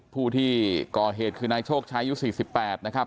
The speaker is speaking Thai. ผู้ที่ก่อเหตุคือนายโชคชายุ๔๘นะครับ